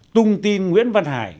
tung tin nguyễn văn hải